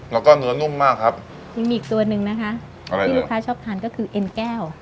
แล้วก็เนื้อนุ่มมากครับยังมีอีกตัวหนึ่งนะคะอะไรที่ลูกค้าชอบทานก็คือเอ็นแก้ว